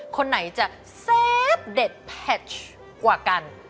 คนไหนจะแซ่บเดจแพชกว่ากัน